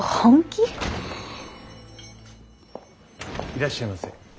いらっしゃいませ。